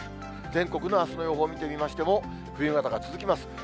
全国のあすの予報を見てみましても、冬型が続きます。